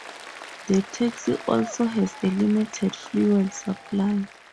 The taxi also has a limited fuel supply.